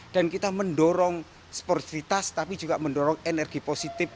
dan kita mendorong sportivitas tapi juga mendorong energi positif